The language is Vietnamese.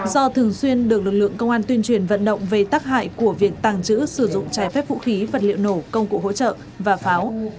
do thường xuyên được lực lượng công an tuyên truyền vận động về tác hại của việc tàng trữ sử dụng trái phép vũ khí vật liệu nổ công cụ hỗ trợ và pháo